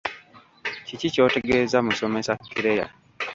Kiki ky’otegeeza musomesa Claire?